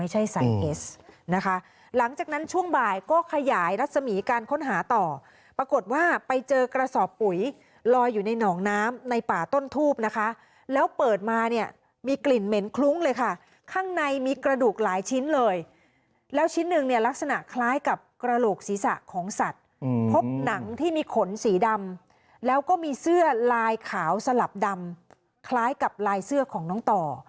ใส่เอสนะคะหลังจากนั้นช่วงบ่ายก็ขยายรัศมีการค้นหาต่อปรากฏว่าไปเจอกระสอบปุ๋ยลอยอยู่ในหนองน้ำในป่าต้นทูบนะคะแล้วเปิดมาเนี่ยมีกลิ่นเหม็นคลุ้งเลยค่ะข้างในมีกระดูกหลายชิ้นเลยแล้วชิ้นหนึ่งเนี่ยลักษณะคล้ายกับกระโหลกศีรษะของสัตว์พบหนังที่มีขนสีดำแล้วก็มีเสื้อลายขาวสลับดำคล้ายกับลายเสื้อของน้องต่อ